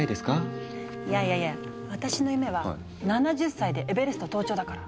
いやいやいや私の夢は７０歳でエベレスト登頂だから。